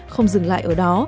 không dừng lại ở đó